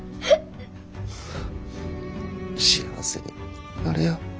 幸せになれよ。